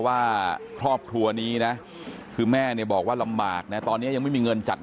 อายุ๑๐ปีนะฮะเขาบอกว่าเขาก็เห็นถูกยิงนะครับ